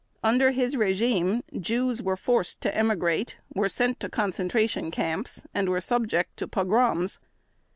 Under his regime Jews were forced to emigrate, were sent to concentration camps, and were subject to pogroms.